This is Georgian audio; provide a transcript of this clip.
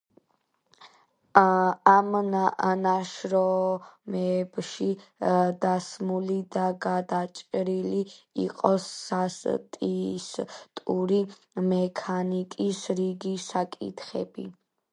ამ ნაშრომებში დასმული და გადაჭრილი იყო სტატისტიკური მექანიკის რიგი საკითხები.